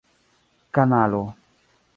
kanalo